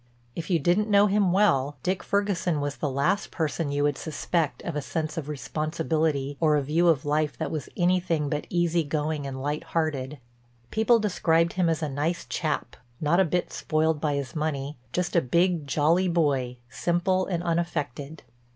If you didn't know him well Dick Ferguson was the last person you would suspect of a sense of responsibility or a view of life that was anything but easy going and light hearted. People described him as a nice chap, not a bit spoiled by his money, just a big, jolly boy, simple and unaffected.